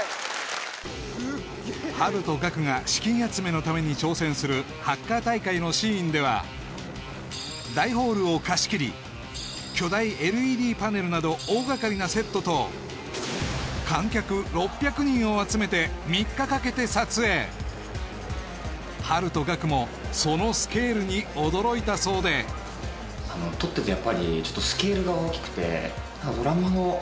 ハルとガクが資金集めのために挑戦するハッカー大会のシーンでは大ホールを貸し切り巨大ＬＥＤパネルなど大がかりなセットとを集めて３日かけて撮影ハルとガクもそのスケールに驚いたそうでぐらいすごいよね